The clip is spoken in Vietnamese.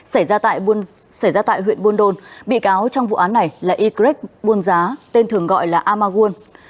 xảy ra tại huyện buôn đôn bị cáo trong vụ án này là y greg buôn giá tên thường gọi là amagun